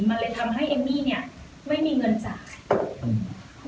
มันเลยทำให้เอมมี่เนี้ยไม่มีเงินจ่ายอืม